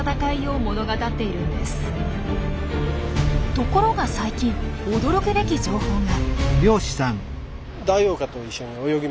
ところが最近驚くべき情報が！